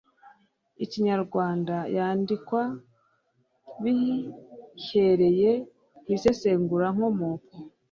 Ikinyarwanda yandikwa bihereye ku isesengurankomoko